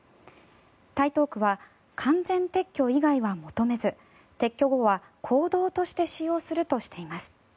台東区は完全撤去以外は求めず撤去後は公道として使用するとしています。